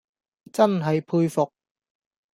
真系佩服